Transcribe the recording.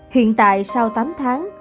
hiện tại sau tám tháng